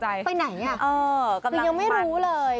เอ้าไปไหนอะคือยังไม่รู้เลย